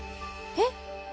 えっ？